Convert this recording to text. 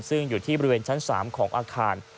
ซึ่งอยู่ที่บริเวณชั้น๓ของอาคาร